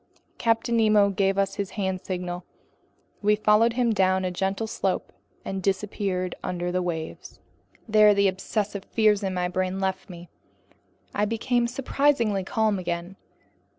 Captain Nemo gave us a hand signal. We followed him down a gentle slope and disappeared under the waves. There the obsessive fears in my brain left me. I became surprisingly calm again.